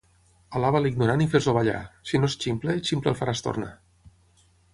Alaba l'ignorant i fes-lo ballar; si no és ximple, ximple el faràs tornar.